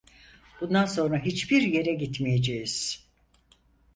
Bundan sonra hiçbir yere gitmeyeceğiz…